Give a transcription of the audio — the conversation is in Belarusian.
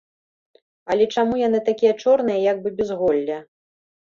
Але чаму яны такія чорныя і як бы без голля?